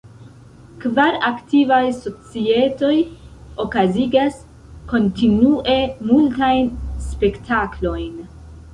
Kvar aktivaj societoj okazigas kontinue multajn spektaklojn.